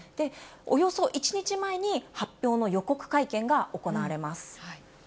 およそ１日前に発表の予告会見が行われます。